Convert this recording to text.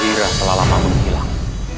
jagadwira telah lama menghilang